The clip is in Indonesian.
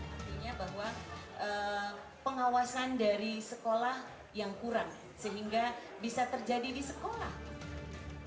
artinya bahwa pengawasan dari sekolah yang kurang sehingga bisa terjadi di sekolah